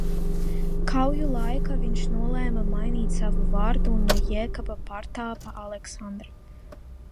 Kauju laikā viņš nolēma mainīt savu vārdu un no Jēkaba pārtapa Aleksandrā.